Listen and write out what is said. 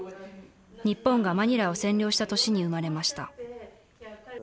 日本がマニラを占領した年に生まれました。